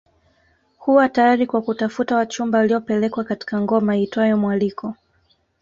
Huwa tayari kwa kutafuta wachumba waliopelekwa katika ngoma iitwayo mwaliko